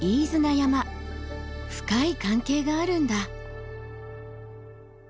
山深い関係があるんだ。